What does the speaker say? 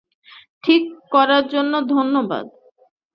ঠিক করার জন্য ধন্যবাদ।